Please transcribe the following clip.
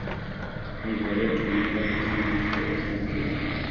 ابھی بھارت چھوڑنے کافیصلہ نہیں کیا وسیم اکرم